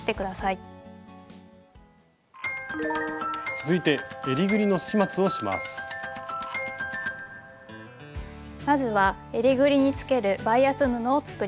続いてまずはえりぐりにつけるバイアス布を作ります。